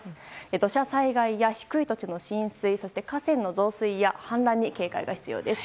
土砂災害や低い土地の浸水そして河川の増水や氾濫に警戒が必要です。